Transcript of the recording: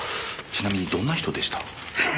ちなみにどんな人でした？